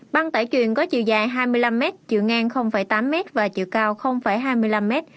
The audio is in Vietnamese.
băng tải chuyển có chiều dài hai mươi năm mét chiều ngang tám mét và chiều cao hai mươi năm mét